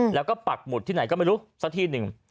แล้วก็ปักหมุดที่ไหนก็ไม่รู้สักที่หนึ่ง